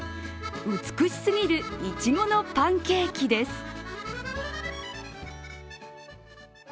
美しすぎるいちごのパンケーキです。